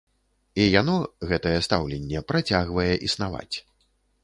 І яно, гэтае стаўленне, працягвае існаваць.